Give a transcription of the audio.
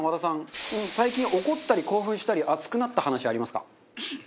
最近怒ったり興奮したり熱くなった話ありますか？